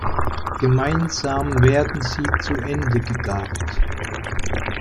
Gemeinsam werden sie zu Ende gegart.